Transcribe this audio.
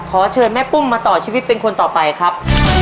ขอเชิญแม่ปุ้มมาต่อชีวิตเป็นคนต่อไปครับ